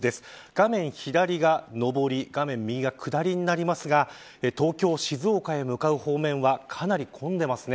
画面左が上り、画面右が下りになりますが東京、静岡へ向かう方面はかなり混んでいます。